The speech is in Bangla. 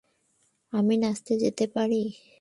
আমরা নাচতে যেতে পারি?